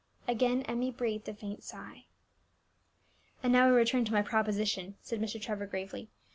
Again Emmie breathed a faint sigh. "And now we return to my proposition," said Mr. Trevor gravely.